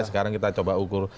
sekarang kita coba ukur